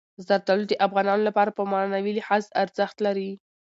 زردالو د افغانانو لپاره په معنوي لحاظ ارزښت لري.